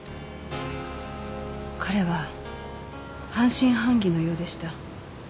彼は半信半疑のようでした。